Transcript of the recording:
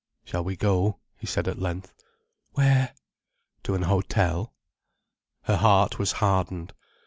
"Shall we go?" he said at length. "Where?" "To an hotel." Her heart was hardened.